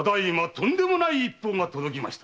とんでもない一報が届きました。